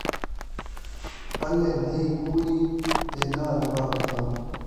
پلے نہیں کوݙی تے ناں نواب خان